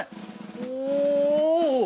お！